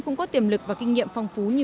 cũng có tiềm lực và kinh nghiệm phong phú như